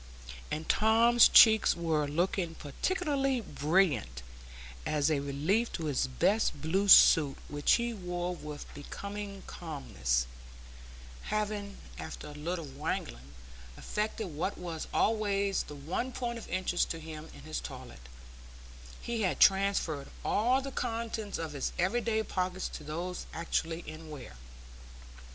and Tom's cheeks were looking particularly brilliant as a relief to his best blue suit, which he wore with becoming calmness, having, after a little wrangling, effected what was always the one point of interest to him in his toilet: he had transferred all the contents of his everyday pockets to those actually in wear.